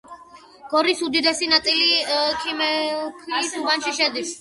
გორის უდიდესი ნაწილი ქეიმაქლის უბანში შედის.